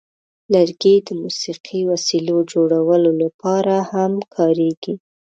لرګي د موسیقي وسیلو جوړولو لپاره هم کارېږي.